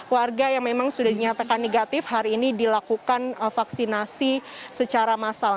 warga yang memang sudah dinyatakan negatif hari ini dilakukan vaksinasi secara massal